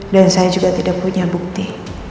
dan saya juga tidak punya bukti